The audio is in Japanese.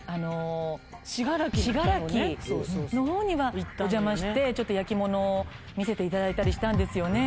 信楽のほうにはお邪魔して焼き物を見せていただいたりしたんですよね。